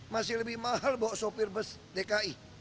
masih lebih mahal bawa sopir bus dki